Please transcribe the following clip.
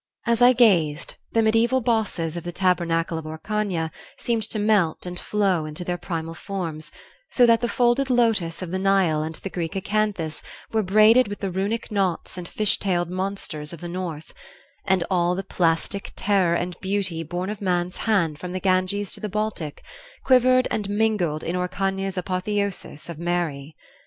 "As I gazed the mediaeval bosses of the tabernacle of Orcagna seemed to melt and flow into their primal forms so that the folded lotus of the Nile and the Greek acanthus were braided with the runic knots and fish tailed monsters of the North, and all the plastic terror and beauty born of man's hand from the Ganges to the Baltic quivered and mingled in Orcagna's apotheosis of Mary.